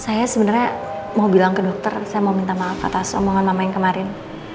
saya sebenarnya mau bilang ke dokter saya mau minta maaf atas omongan mama yang kemarin